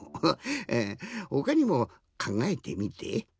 えほかにもかんがえてみて。